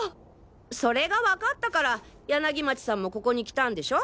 それがわかったから柳町さんもここに来たんでしょ？